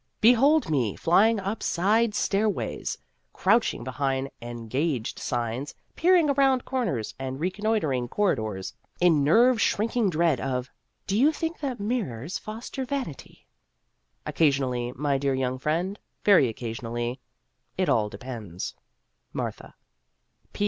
Be hold me flying up side stairways, crouching behind " Engaged" signs, peering around corners, and reconnoitring corridors, in nerve shrinking dread of " Do you think that mirrors foster vanity ?" Occasionally, my dear young friend, very occasionally. It all depends. MARTHA.